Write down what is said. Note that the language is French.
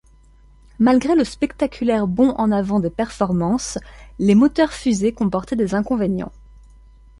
Malgré le spectaculaire bond en avant des performances, les moteurs-fusée comportaient des inconvénients.